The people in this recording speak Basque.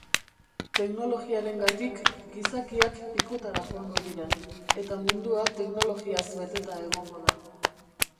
Teknologiarengatik gizakiak pikutara joango dira eta mundua teknologiaz beteta egongo da.